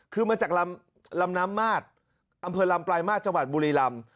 คือมาจากลำน้ำมาดอำเภอลำปลายมาสจังหวัดบุรีลำ